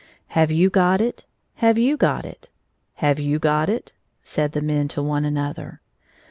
" Have you got it ?— Have you got it ?— Have you got it ?" said the men to one another.